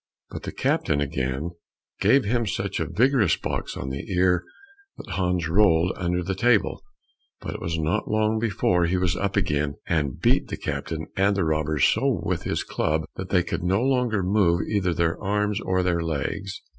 But the captain again gave him such a vigorous box on the ear that Hans rolled under the table, but it was not long before he was up again, and beat the captain and the robbers so with his club, that they could no longer move either their arms or their legs.